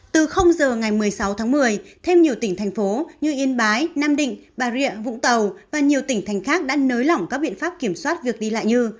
từ giờ ngày một mươi sáu tháng một mươi thêm nhiều tỉnh thành phố như yên bái nam định bà rịa vũng tàu và nhiều tỉnh thành khác đã nới lỏng các biện pháp kiểm soát việc đi lại như